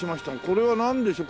これはなんでしょう？